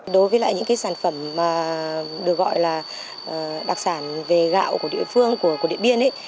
đối với lại những cái sản phẩm được gọi là đặc sản về gạo của địa phương của điện biên ấy